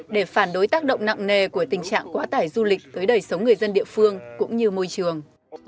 để phản đối tác động nặng nề của tình trạng quá tải du lịch tới đời sống người dân địa phương cũng như môi trường